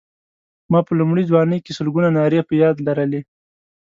ما په لومړۍ ځوانۍ کې سلګونه نارې په یاد لرلې.